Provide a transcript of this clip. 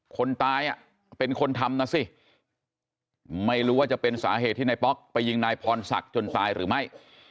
คนตายเป็นคนทำนะสิไม่รู้ว่าจะเป็นสาเหตุที่นายป๊อกไปยิงนายพรศักดิ์จนตายหรือไม่